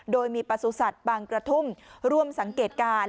โดยมีประสูจน์สัตว์บางกระทุ่มร่วมสังเกตการ